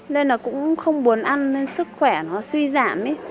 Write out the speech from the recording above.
nên là cũng không buồn ăn nên sức khỏe nó suy giảm ý